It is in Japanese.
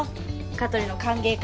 香取の歓迎会。